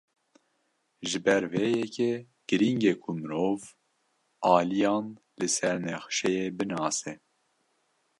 Ji ber vê yekê, girîng e ku mirov aliyan li ser nexşeyê binase.